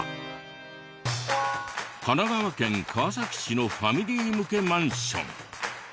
神奈川県川崎市のファミリー向けマンション。